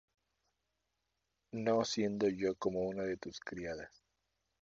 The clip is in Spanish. no siendo yo como una de tus criadas.